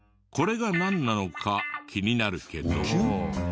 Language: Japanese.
これがなんなのか気になるけど。